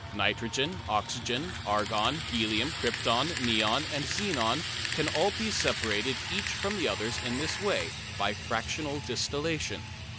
Nitrogen, oxygen, argon, helium, krypton, neon and xenon can all be separated each from the others in this way, by "fractional distillation."